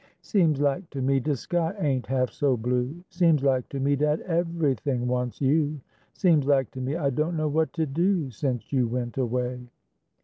Seems lak to me de sky ain't half so blue, Seems lak to me dat ev'ything wants you, Seems lak to me I don't know what to do, Sence you went away.